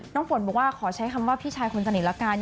ฝนบอกว่าขอใช้คำว่าพี่ชายคนสนิทละกัน